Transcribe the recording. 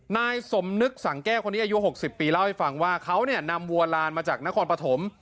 นายสมนึกสังแก้วคนนี้อายุ๖๐ปีเล่าให้ฟังว่าเขาเนี่ยนำวัวลานมาจากนครปฐม